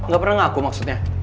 gak pernah ngaku maksudnya